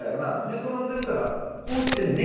寝転んでるからこうしてんねん。